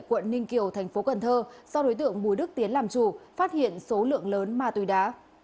quận ninh kiều thành phố cần thơ do đối tượng bùi đức tiến làm chủ phát hiện số lượng lớn ma túy đá